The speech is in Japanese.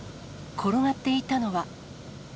転がっていたのは。